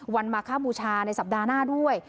วันมาก๊าบูชาในสัปดาห์หน้าด้วย